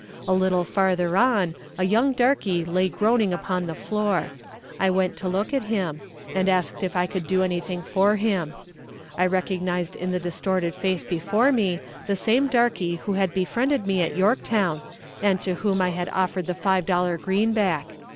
A little farther on a young darkie lay groaning upon the floor. I went to look at him, and asked if I could do anything for him. I recognized in the distorted face before me the same darkie who had befriended me at Yorktown, and to whom I had offered the five dollar greenback.